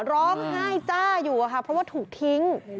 ร้องไห้จ้าอยู่ค่ะเพราะว่าถูกทิ้ง